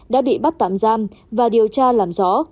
đã bị bắt tạm giam và điều tra làm rõ